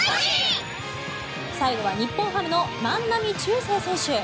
最後は日本ハムの万波中正選手。